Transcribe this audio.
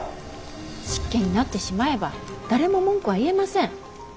執権になってしまえば誰も文句は言えません。